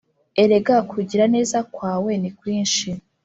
Erega kugira neza kwawe ni kwinshi!